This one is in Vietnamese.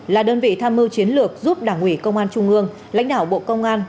là đơn vị tham mưu chiến lược giúp đảng ủy công an trung ương lãnh đạo bộ công an